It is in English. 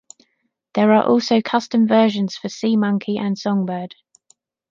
There are also custom versions for SeaMonkey and Songbird.